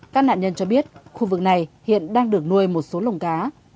các nạn nhân cho biết khu vực này hiện đang được nuôi một số lồng cá